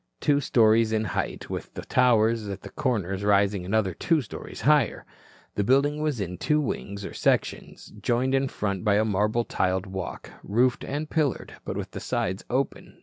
Two stories in height, with towers at the corners rising another two stories higher, the building was in two wings or sections, joined in front by a marble tiled walk, roofed and pillared, but with the sides open.